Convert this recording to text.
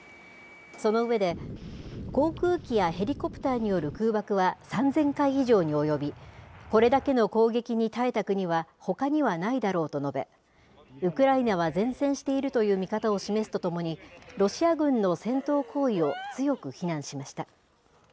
その上で、航空機やヘリコプターによる空爆は３０００回以上に及び、これだけの攻撃に耐えた国はほかにはないだろうと述べ、ウクライナは善戦しているという見方を示すとともに、ロシア軍の戦闘行為を強く非難しました。